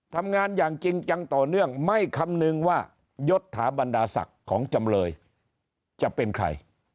ทำงานอย่างจริงจังต่อเนื่องไม่คำนึงว่ายศถาบรรดาศักดิ์ของจำเลยจะเป็นใคร